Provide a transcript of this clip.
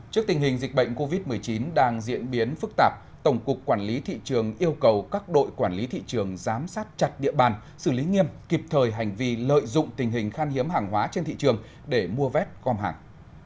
trước tình hình dịch bệnh covid một mươi chín đang diễn biến phức tạp tổng cục quản lý thị trường yêu cầu các đội quản lý thị trường giám sát chặt địa bàn xử lý nghiêm kịp thời hành vi lợi dụng tình hình khan hiếm hàng hóa trên thị trường để mua vét gom hàng